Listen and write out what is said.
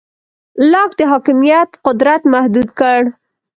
لاک د حاکمیت قدرت محدود کړ.